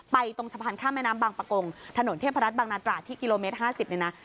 ตรงสะพานข้ามแม่น้ำบางประกงถนนเทพรัฐบางนาตราที่กิโลเมตร๕๐เนี่ยนะ